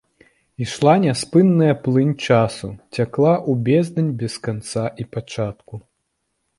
Ішла няспынная плынь часу, цякла ў бездань без канца і пачатку.